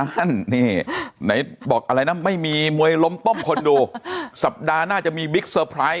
นั่นนี่ไหนบอกอะไรนะไม่มีมวยล้มต้มคนดูสัปดาห์หน้าจะมีบิ๊กเซอร์ไพรส์